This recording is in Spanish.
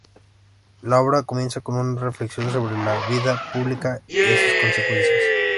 La obra comienza con una reflexión sobre la vida pública y sus consecuencias.